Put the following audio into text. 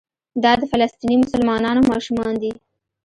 دا د فلسطیني مسلمانانو ماشومان دي.